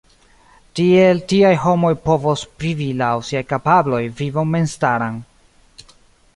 Tiel tiaj homoj povos vivi laŭ siaj kapabloj vivon memstaran.